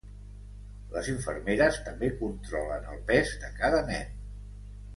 Les infermeres també controlen el pes de cada nen.